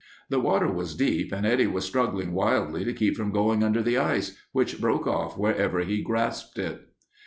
The water was deep, and Eddie was struggling wildly to keep from going under the ice, which broke off wherever he grasped it.